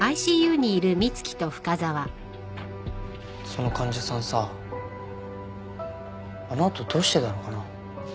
その患者さんさあの後どうしてたのかな。